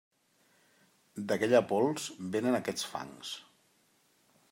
D'aquella pols, vénen aquests fangs.